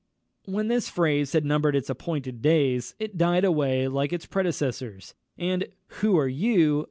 When this phrase had numbered its appointed days, it died away like its predecessors, and "_Who are you?